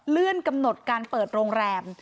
กำหนดการเปิดโรงแรม